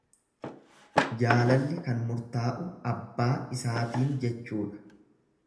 Jaalalli kan murtaa'u abbaa isaatiin, jechuudha.